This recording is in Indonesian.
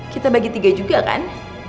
kita bagi tiga juga kan